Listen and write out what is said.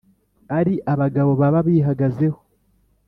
ari abagabo baba bihagazeho